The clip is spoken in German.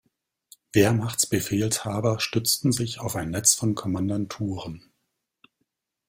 Wehrmachtbefehlshaber stützten sich auf ein Netz von Kommandanturen.